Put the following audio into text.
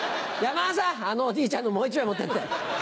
山田さんあのおじいちゃんのもう１枚持ってって。